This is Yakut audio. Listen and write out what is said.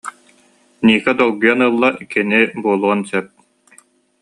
Ника долгуйан ылла, кини буолуон сөп